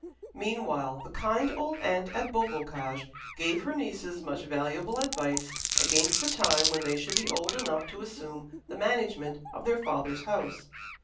Meanwhile the kind old aunt at Beaubocage gave her nieces much valuable advice against the time when they should be old enough to assume the management of their father's house.